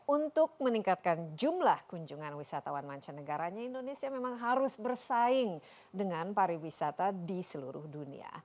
untuk meningkatkan jumlah kunjungan wisatawan mancanegaranya indonesia memang harus bersaing dengan pariwisata di seluruh dunia